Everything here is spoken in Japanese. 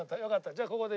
じゃあここで。